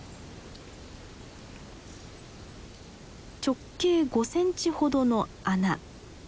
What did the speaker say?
直径５センチほどの穴。